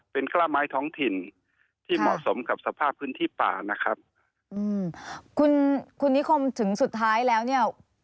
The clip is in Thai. เป็นกล้าไม้ท้องถิ่นที่เหมาะสมกับสภาพพื้นที่ป่านะครับอืมคุณคุณนิคมถึงสุดท้ายแล้วเนี่ย